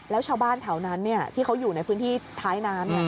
แล้วชาวบ้านแถวนั้นที่เขาอยู่ในพื้นที่ท้ายน้ำ